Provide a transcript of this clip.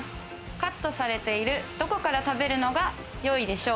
カットされている、どこから食べるのがよいでしょう？